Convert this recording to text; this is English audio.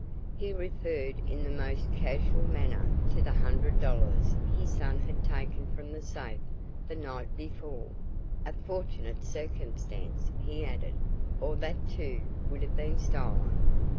He referred in the most casual manner to the hundred dollars his son had taken from the safe the night before, a fortunate circumstance, he added, or that too would have been stolen.